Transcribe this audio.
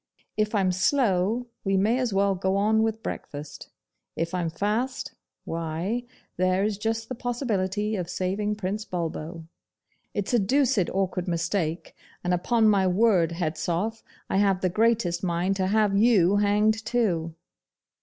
If I'm slow, we may as well go on with breakfast. If I'm fast, why, there is just the possibility of saving Prince Bulbo. It's a doosid awkward mistake, and upon my word, Hedzoff, I have the greatest mind to have you hanged too.